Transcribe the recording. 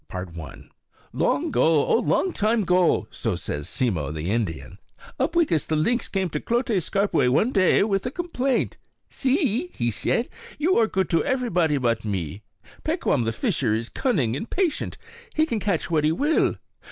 [Illustration: Upweekis] "Long 'go, O long time 'go," so says Simmo the Indian, Upweekis the lynx came to Clote Scarpe one day with a complaint. "See," he said, "you are good to everybody but me. Pekquam the fisher is cunning and patient; he can catch what he will.